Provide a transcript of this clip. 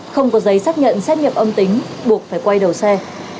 không có giấy xác nhận xét nghiệm âm tính buộc phải quay đầu xe